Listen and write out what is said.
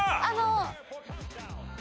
あの。